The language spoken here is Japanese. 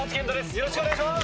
よろしくお願いします。